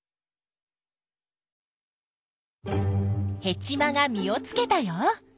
ヘチマが実をつけたよ。